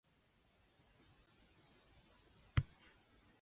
Peachtree Creek is an important part of the area history.